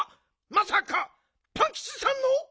まさかパンキチさんの？